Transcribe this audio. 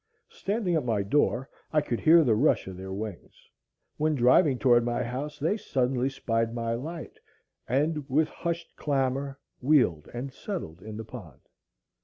Standing at my door, I could hear the rush of their wings; when, driving toward my house, they suddenly spied my light, and with hushed clamor wheeled and settled in the pond.